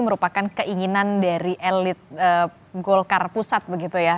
merupakan keinginan dari elit golkar pusat begitu ya